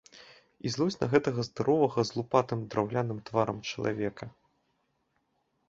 І злосць на гэтага здаровага з лупатым драўляным тварам чалавека.